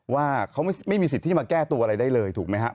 ว่าเขาไม่มีสิทธิ์ที่มาแก้ตัวอะไรได้เลยถูกไหมครับ